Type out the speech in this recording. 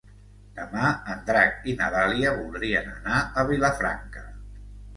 Demà en Drac i na Dàlia voldrien anar a Vilafranca.